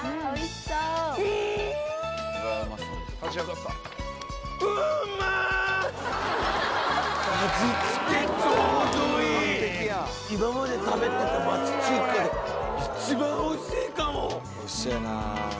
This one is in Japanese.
ちょうどいい今まで食べてた町中華で一番おいしいかも！